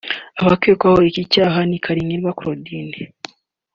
Abakekwaho iki cyaha ni Karigirwa Claudine